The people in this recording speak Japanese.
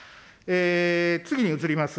次に移ります。